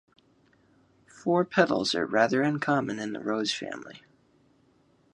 Four petals are rather uncommon in the rose family.